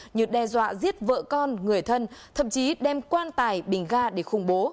như đe dọa giết vợ con người thân thậm chí đem quan tài bình ga để khủng bố